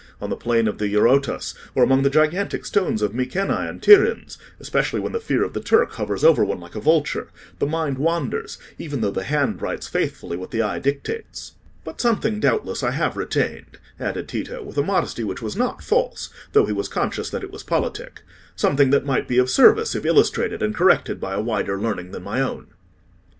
On the plain of the Eurotas, or among the gigantic stones of Mycenae and Tyrins—especially when the fear of the Turk hovers over one like a vulture—the mind wanders, even though the hand writes faithfully what the eye dictates. But something doubtless I have retained," added Tito, with a modesty which was not false, though he was conscious that it was politic, "something that might be of service if illustrated and corrected by a wider learning than my own."